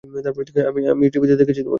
আমি টিভিতে দেখেছি তোমাকে।